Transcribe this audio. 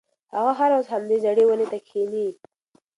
هغه هره ورځ همدې زړې ونې ته کښېني.